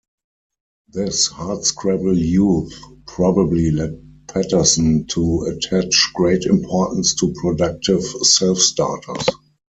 This hardscrabble youth probably led Paterson to attach great importance to productive "self-starters".